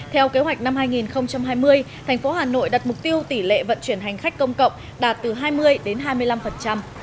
theo kế hoạch năm hai nghìn hai mươi thành phố hà nội đặt mục tiêu tỷ lệ vận chuyển hành khách công cộng đạt từ hai mươi đến hai mươi năm